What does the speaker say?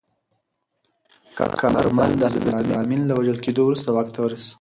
کارمل د حفیظالله امین له وژل کېدو وروسته واک ته ورسید.